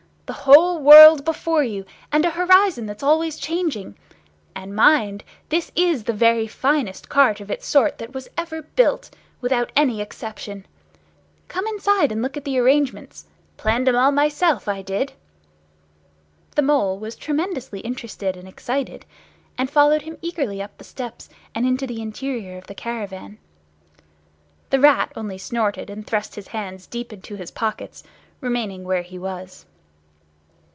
The whole world before you, and a horizon that's always changing! And mind! this is the very finest cart of its sort that was ever built, without any exception. Come inside and look at the arrangements. Planned 'em all myself, I did!" The Mole was tremendously interested and excited, and followed him eagerly up the steps and into the interior of the caravan. The Rat only snorted and thrust his hands deep into his pockets, remaining where he was.